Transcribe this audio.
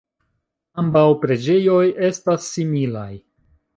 Ambaŭ preĝejoj estas similaj.